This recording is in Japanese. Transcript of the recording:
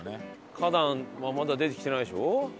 花壇もまだ出てきてないでしょ。